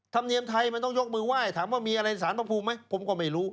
ธรรมเนียมไทยมันต้องยกมือไหว้ถามว่ามีอะไรสารพระภูมิไหมผมก็ไม่รู้